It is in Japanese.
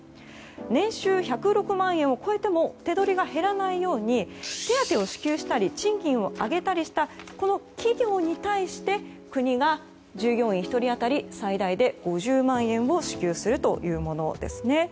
年収１０６万円を超えても手取りが減らないように手当を支給したり賃金を上げたりした企業に対して国が従業員１人当たり最大で５０万円を支給するというものですね。